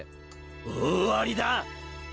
大ありだ！